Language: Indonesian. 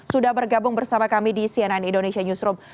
sudah bergabung bersama kami di cnn indonesia newsroom